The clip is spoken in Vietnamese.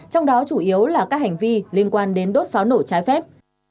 trong đó chủ yếu là các hành vi liên quan đến đốt pháo nổ trái phép